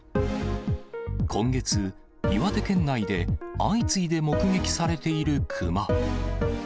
今月、岩手県内で相次いで目撃されている熊。